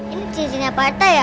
ini cincinnya parete ya